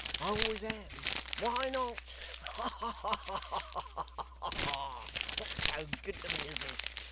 'I always am. Why not? Ha ha ha! What's so good to me as this?